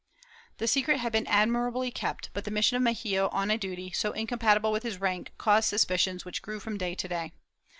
"^ The secret had been admirably kept, but the mission of Mexia on a duty so incompatible with his rank caused suspicions which grew from day to day.